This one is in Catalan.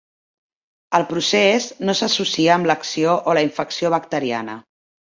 El procés no s'associa amb l'acció o la infecció bacteriana.